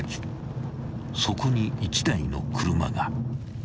［そこに１台の車が］